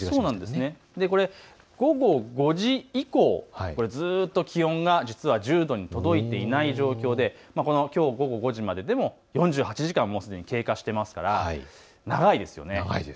午後５時以降、ずっと気温が１０度に届いていない状況できょう午後５時まででも４８時間経過していますから長いですよね。